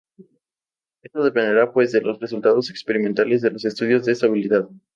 Esto dependerá pues, de los resultados experimentales de los estudios de estabilidad.